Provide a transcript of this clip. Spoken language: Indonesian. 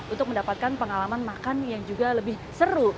untuk mendapatkan pengalaman makan yang juga lebih seru